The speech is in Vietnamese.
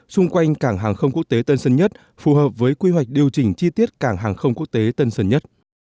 xung quanh cảng hàng không quốc tế tân sơn nhất phù hợp với quy hoạch điều chỉnh chi tiết cảng hàng không quốc tế tân sơn nhất